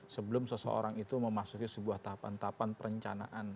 sebelum seseorang itu memasuki sebuah tahapan tahapan perencanaan